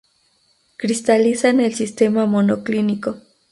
Cristaliza en el sistema monoclínico.